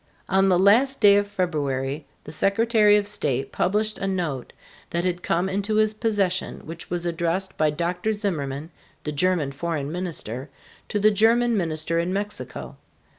On the last day of February, the Secretary of State published a note that had come into his possession which was addressed by Dr. Zimmerman, the German foreign minister, to the German minister in Mexico.